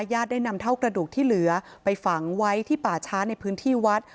ได้นำเท่ากระดูกที่เหลือไปฝังไว้ที่ป่าช้าในพื้นที่วัด